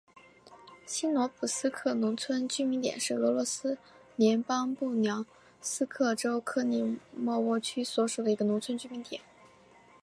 新罗普斯克农村居民点是俄罗斯联邦布良斯克州克利莫沃区所属的一个农村居民点。